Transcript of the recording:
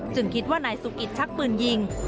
คิดว่านายสุกิตชักปืนยิง